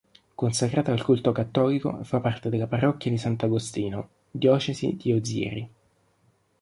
Consacrata al culto cattolico, fa parte della parrocchia di Sant'Agostino, diocesi di Ozieri.